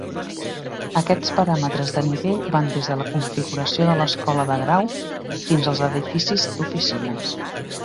Aquests paràmetres de nivell van des de la configuració de l'escola de grau fins als edificis d'oficines.